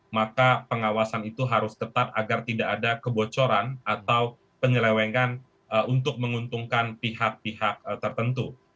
maka pengawasan itu harus ketat agar tidak ada kebocoran atau penyelewengan untuk menguntungkan pihak pihak tertentu